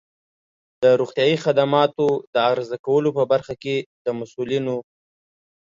د روغتیایی خدماتو د عرضه کولو په برخه کې د مسؤلینو